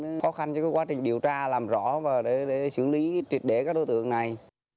nó khó khăn cho cái quá trình điều tra làm rõ và để xử lý tuyệt đế các đối tượng này